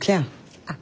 あっ。